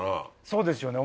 そうですよね